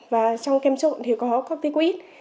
và trong kem trộn thì có corticoid